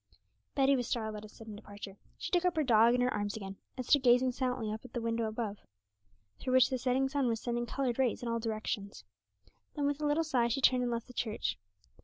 Betty was startled at his sudden departure; she took up her dog in her arms again, and stood gazing silently up at the window above, through which the setting sun was sending coloured rays in all directions. Then with a little sigh she turned and left the church.